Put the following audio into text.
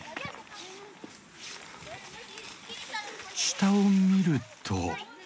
下を見ると。